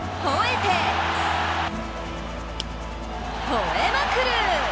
ほえまくる！